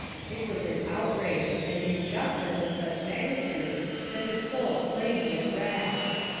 It was an outrage, an injustice of such magnitude that his soul flamed with wrath.